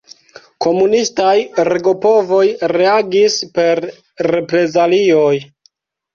Komunistaj regopovoj reagis per reprezalioj.